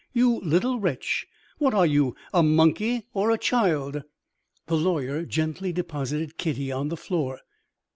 "You little wretch, which are you, a monkey or a child?" The lawyer gently deposited Kitty on the floor.